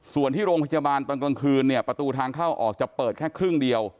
ส่วนที่โรงพยาบาลตอนกลางคืนเนี่ยประตูทางเข้าออกจะเปิดแค่ครึ่งเดียว